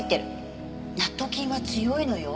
納豆菌は強いのよ。